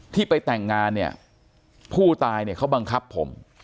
ที่ไปแต่งงานเนี่ยผู้ตายเนี่ยเขาบังคับผม